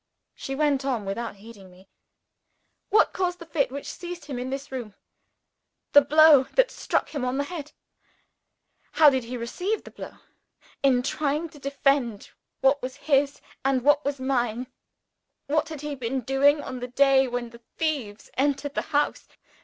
She went on without heeding me. "What caused the fit which seized him in this room? The blow that struck him on the head. How did he receive the blow? In trying to defend what was his and what was mine. What had he been doing on the day when the thieves entered the house?